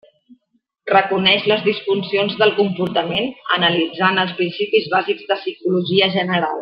Reconeix les disfuncions del comportament analitzant els principis bàsics de psicologia general.